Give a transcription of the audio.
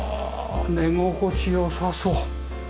寝心地良さそう。